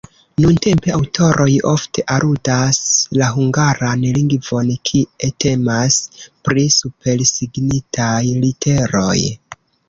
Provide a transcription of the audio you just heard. Nuntempe aŭtoroj ofte aludas la hungaran lingvon, kie temas pri supersignitaj literoj.